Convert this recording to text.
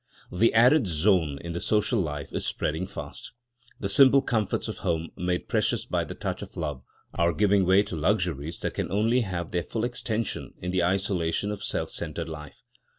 The arid zone in the social life is spreading fast. The simple comforts of home, made precious by the touch of love, are giving way to luxuries that can only have their full extension in the isolation of self centred life.